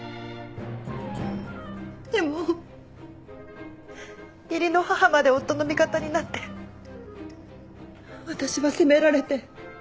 でも義理の母まで夫の味方になって私は責められて。